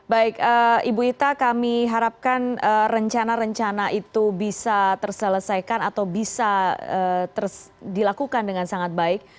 baik ibu ita kami harapkan rencana rencana itu bisa terselesaikan atau bisa dilakukan dengan sangat baik